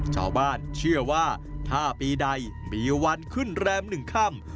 ชาวบ้านเชื่อว่าถ้าปีใดมีวันขึ้นแรม๑ค่ำ